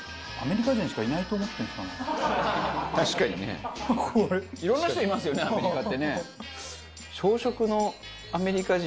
確かにね。いろんな人いますよねアメリカってね。